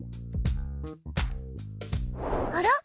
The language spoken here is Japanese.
あら？